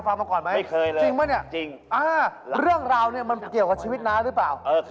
สามารถกำลังน่ารักมาก